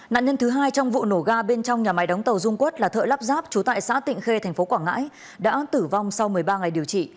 nạn nhân thứ hai trong vụ nổ ga bên trong nhà máy đóng tàu dung quất là thợ lắp ráp trú tại xã tịnh khê tp quảng ngãi đã tử vong sau một mươi ba ngày điều trị